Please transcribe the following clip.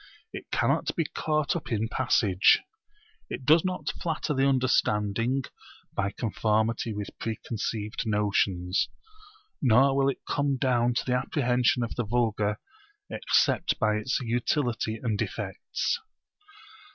It cannot be caught up in passage. It does not flatter the understanding by conformity with preconceived notions. Nor will it come down to the apprehension of the vulgar except by its utility and effects.